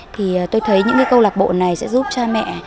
thì tôi thấy những cái câu lạc bộ này sẽ giúp cha mẹ